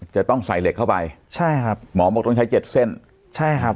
จะต้องใส่เหล็กเข้าไปใช่ครับหมอบอกต้องใช้เจ็ดเส้นใช่ครับ